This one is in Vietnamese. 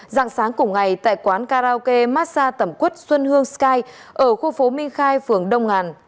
dạng sáng cùng ngày tại quán karaoke massag tẩm quất xuân hương sky ở khu phố minh khai phường đông ngàn